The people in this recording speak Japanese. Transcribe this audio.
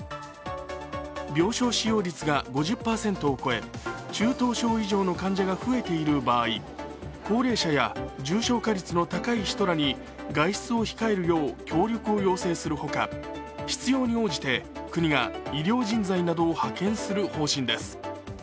病床使用率が５０％を超え、中等症以上の患者が増えている場合高齢者や重症化率の高い人らに外出を控えるよう協力を要請する他必要に応じて国が医療人材などを派遣する方針です。